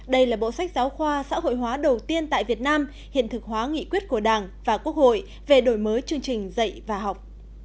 đây là bộ sách giáo khoa xã hội hóa đầu tiên tại việt nam hiện thực hóa nghị quyết của đảng và quốc hội về đổi mới chương trình dạy và học